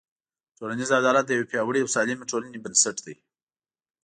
ټولنیز عدالت د یوې پیاوړې او سالمې ټولنې بنسټ دی.